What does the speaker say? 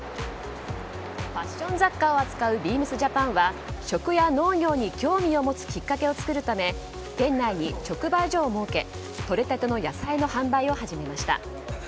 ファッション雑貨を扱うＢＥＡＭＳＪＡＰＡＮは食や農業に興味を持つきっかけを作るため店内に直売所を設けとれたての野菜の販売を始めました。